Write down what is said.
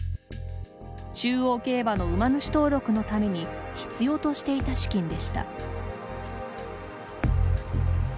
中央競馬の馬主登録のために必要としていた資金でした。